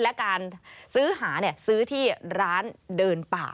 และการซื้อหาซื้อที่ร้านเดินป่า